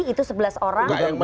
itu sebelas orang